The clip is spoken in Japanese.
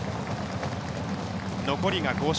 残りが５周。